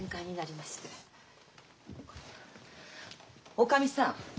おかみさん